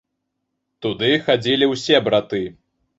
Туды хадзілі ўсе браты.